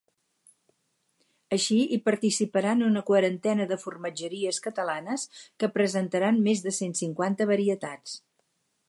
Així hi participaran una quarantena de formatgeries catalanes que presentaran més de cent cinquanta varietats.